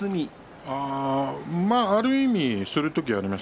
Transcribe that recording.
ある意味する時あります。